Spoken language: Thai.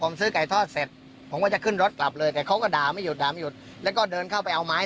ผมจะคืนรถกลับแต่เขาก็ด่าไม่หยุดปีน